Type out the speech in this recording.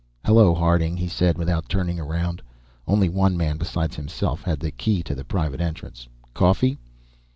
"Hello, Harding," he said without turning around. Only one man beside himself had the key to the private entrance. "Coffee?"